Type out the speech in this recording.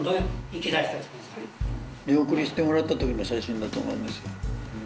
見送りしてもらった時の写真だと思いますよ